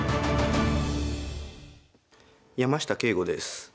山下敬吾です。